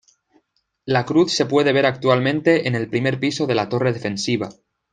La cruz se puede ver actualmente en el primer piso de la torre defensiva.